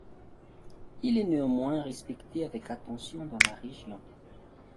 Il est néanmoins respecté avec attention dans la région.